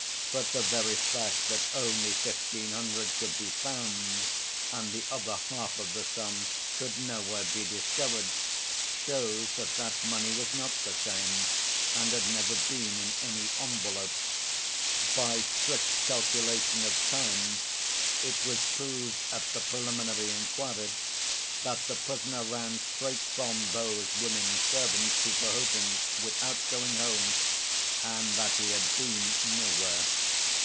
But the very fact that only fifteen hundred could be found, and the other half of the sum could nowhere be discovered, shows that that money was not the same, and had never been in any envelope. By strict calculation of time it was proved at the preliminary inquiry that the prisoner ran straight from those women servants to Perhotin's without going home, and that he had been nowhere.